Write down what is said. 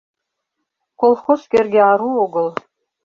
Колхоз кӧргӧ ару огыл